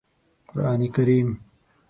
قرآن کریم